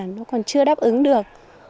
nó còn chưa đáp ứng được